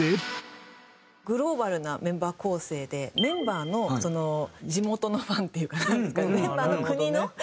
グローバルなメンバー構成でメンバーの地元のファンっていうかメンバーの国の。